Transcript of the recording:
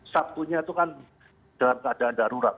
sabtunya itu kan dalam keadaan darurat